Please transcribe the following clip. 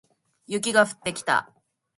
雪が降ってきた